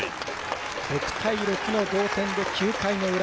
６対６の同点で９回の裏。